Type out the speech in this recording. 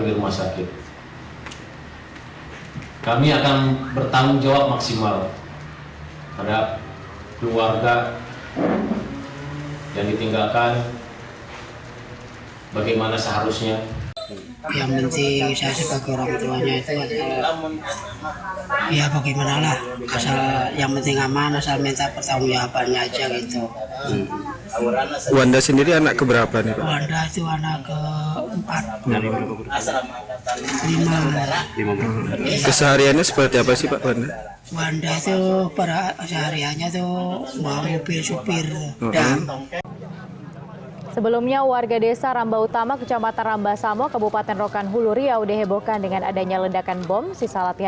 pihak paskas tni au akan bertanggung jawab terkait korban yang terjadi